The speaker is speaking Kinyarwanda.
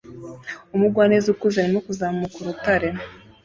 Umugwaneza ukuze arimo kuzamuka urutare